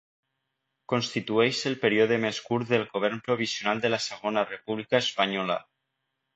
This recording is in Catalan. Constitueix el període més curt del Govern Provisional de la Segona República Espanyola.